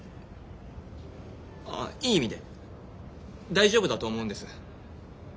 あっいい意味で大丈夫だと思うんです。